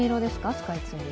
スカイツリー。